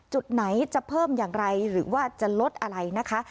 จุดไหนจะเพิ่มอย่างไรหรือว่าจะลดอะไรนะคะ